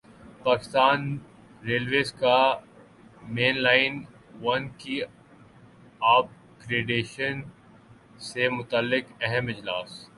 Pakistan railways کا main line one کی upgradation سے متعلق اہم اجلاس